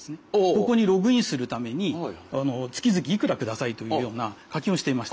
ここにログインするために月々いくらくださいというような課金をしていました。